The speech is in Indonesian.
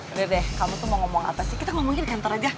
udah deh kamu tuh mau ngomong apa sih kita ngomongin kantor aja